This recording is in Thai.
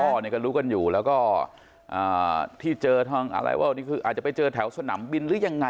พ่อเนี่ยก็รู้กันอยู่แล้วก็ที่เจอทางอะไรว่าวันนี้คืออาจจะไปเจอแถวสนามบินหรือยังไง